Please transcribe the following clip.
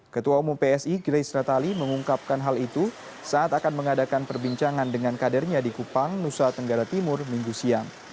ketua umum psi grace natali mengungkapkan hal itu saat akan mengadakan perbincangan dengan kadernya di kupang nusa tenggara timur minggu siang